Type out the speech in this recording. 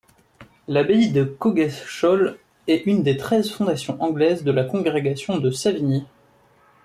L'abbaye de Coggeshall est une des treize fondations anglaises de la congrégation de Savigny.